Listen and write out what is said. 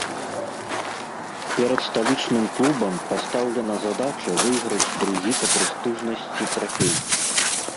Перад сталічным клубам пастаўлена задача выйграць другі па прэстыжнасці трафей.